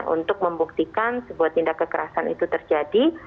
untuk membuktikan sebuah tindak kekerasan itu terjadi